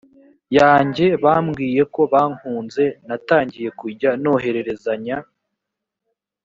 yanjye yambwiye ko bankunze natangiye kujya nohererezanya